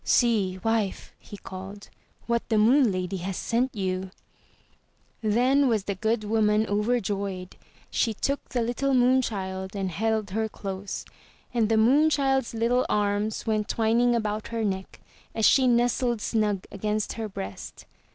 "See, wife," he called, "what the Moon Lady has sent you." Then was the good woman overjoyed. She took the little moon child and held her close, and the moon child's little arms went twining about her neck, as she nestled snug against her breast.